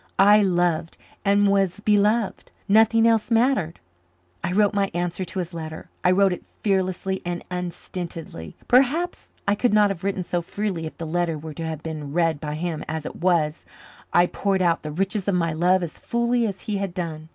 I loved and was beloved. Nothing else mattered. I wrote my answer to his letter. I wrote it fearlessly and unstintedly. Perhaps I could not have written so freely if the letter were to have been read by him; as it was, I poured out the riches of my love as fully as he had done.